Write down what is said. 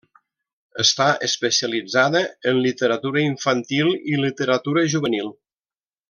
Està especialitzada en literatura infantil i literatura juvenil.